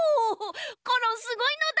コロンすごいのだ。